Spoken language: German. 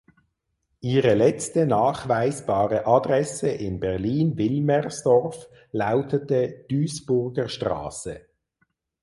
Ihre letzte nachweisbare Adresse in Berlin (Wilmersdorf) lautete Duisburger Str.